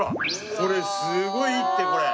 これすごいってこれ。